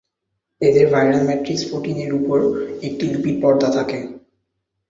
এদের viral matrix protein এর উপরে একটি লিপিড পর্দা থাকে।